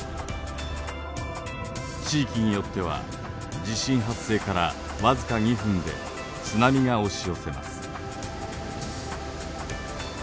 地域によっては地震発生から僅か２分で津波が押し寄せます。